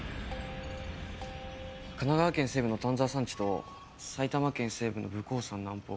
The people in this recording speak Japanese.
神奈川県西部の丹沢山地と埼玉県西部の武甲山南方。